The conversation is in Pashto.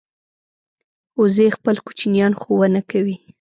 وزې خپل کوچنیان ښوونه کوي